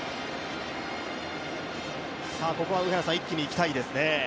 ここは一気にいきたいですね。